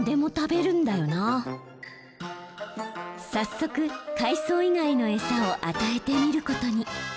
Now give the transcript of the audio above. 早速海藻以外の餌を与えてみることに。